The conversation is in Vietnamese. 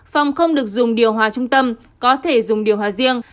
phòng không được dùng điều hòa trung tâm có thể dùng điều hòa riêng